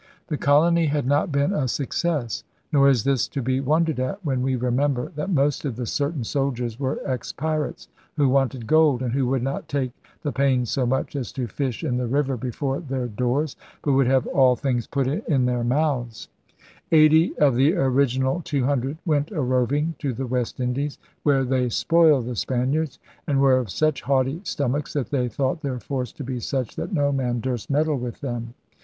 The colony had not been a success. Nor is this to be wondered at when we remember that most of the * certain soldiers' were ex pirates, who wanted gold, and *who would not take the pains so much as to fish in the river before their doors, but would have all things put in their 84 ELIZABETHAN SEA DOGS mouths.' Eighty of the original two hundred 'went a roving' to the West Indies, * where they spoiled the Spaniards ... and were of such haughty stomachs that they thought their force to be such that no man durst meddle with them.